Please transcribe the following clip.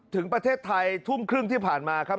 ถึงประเทศไทยทุ่มครึ่งที่ผ่านมาครับ